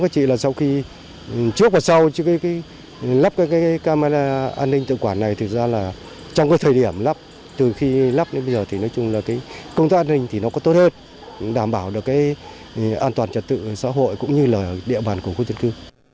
chị là sau khi trước và sau lắp các cái camera an ninh tự quản này thực ra là trong cái thời điểm lắp từ khi lắp đến bây giờ thì nói chung là công tác an ninh thì nó có tốt hơn đảm bảo được cái an toàn trật tự xã hội cũng như là địa bàn của khu dân cư